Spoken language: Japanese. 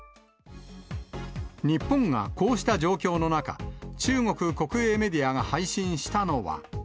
日本がこうした状況の中、中国国営メディアが配信したのは。